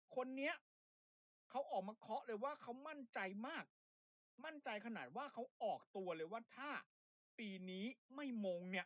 คนนี้เขาออกมาเคาะเลยว่าเขามั่นใจมากมั่นใจขนาดว่าเขาออกตัวเลยว่าถ้าปีนี้ไม่มงเนี่ย